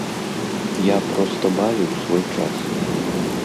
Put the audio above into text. Я проста бавіў свой час.